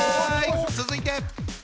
続いて。